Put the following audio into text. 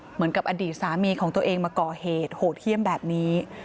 เหมือนกับอดีตสามีของตัวเองมาก่อเหตุโหดเยี่ยมแบบนี้